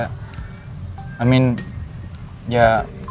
makanya kenapa tante rosa kepikiran kamu juga